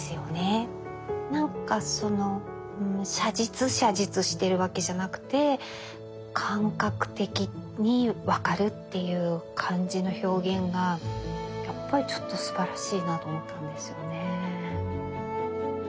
なんかその写実写実しているわけじゃなくて感覚的にわかるっていう感じの表現がやっぱりちょっとすばらしいなと思ったんですよね。